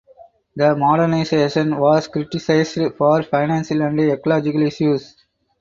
The modernization was criticized for financial and ecological issues.